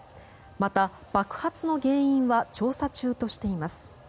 また爆発の原因は調査中としています。